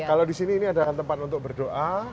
kalau disini ini adalah tempat untuk berdoa